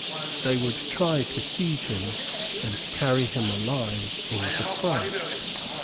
They would try to seize him and to carry him alive into France.